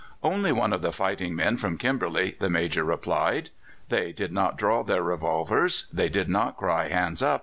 "Only one of the fighting men from Kimberley," the Major replied. They did not draw their revolvers, they did not cry "Hands up!"